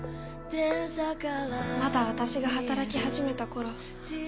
まだ私が働き始めた頃。